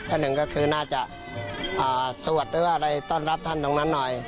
อันหนึ่งก็คือน่าจะสวดหรือว่าอะไรต้อนรับท่านตรงนั้นหน่อย